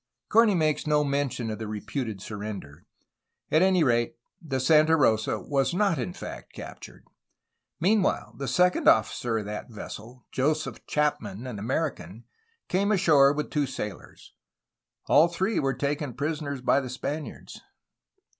Corney makes no mention of the reputed surrender. At any rate, the Santa Rosa was not in fact captured. Meanwhile, the second ofiicer of that vessel, Joseph Chapman, an American, came ashore with two sailors. All three were taken prisoners by the Spaniards.